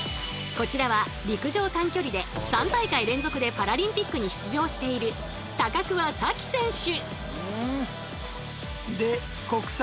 こちらは陸上短距離で３大会連続でパラリンピックに出場している桑早生選手。